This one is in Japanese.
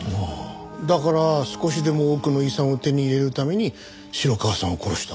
だから少しでも多くの遺産を手に入れるために城川さんを殺した。